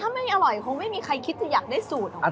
ถ้าไม่อร่อยคงไม่มีใครคิดจะอยากได้สูตรออกมา